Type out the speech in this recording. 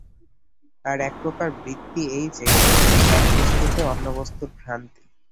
আর এক প্রকার বৃত্তি এই যে, এক বস্তুতে অন্য বস্তুর ভ্রান্তি।